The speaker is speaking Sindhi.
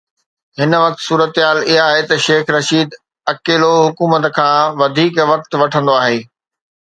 هن وقت صورتحال اها آهي ته شيخ رشيد اڪيلو حڪومت کان وڌيڪ وقت وٺندو آهي.